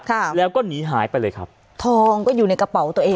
ค่ะแล้วก็หนีหายไปเลยครับทองก็อยู่ในกระเป๋าตัวเอง